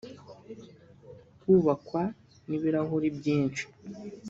Kubakwa n’ibirahuri byinshi